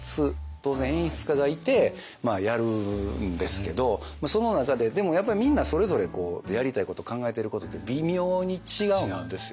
当然演出家がいてやるんですけどその中ででもみんなそれぞれやりたいこと考えてることって微妙に違うんですよね。